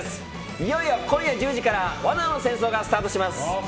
いよいよ今夜１０時から「罠の戦争」がスタートします。